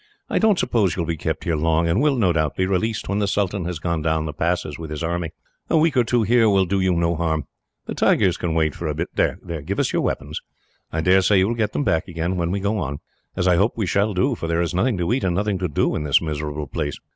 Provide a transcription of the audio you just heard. "I don't suppose you will be kept here long; and will, no doubt, be released when the sultan has gone down the passes, with his army. A week or two here will do you no harm the tigers can wait for a bit. "There, give us your weapons. I daresay you will get them back again, when we go on; as I hope we shall do, for there is nothing to eat and nothing to do in this miserable place."